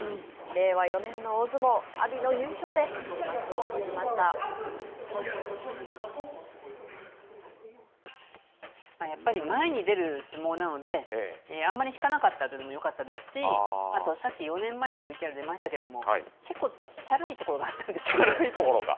令和４年の大相撲、阿炎の優勝でやっぱり前に出る相撲なので、あんまり引かなかったというのもよかったですし、あとさっき、４年前のＶＴＲ出ましたけれども、結構ちゃらいところがあったんでちゃらいところが？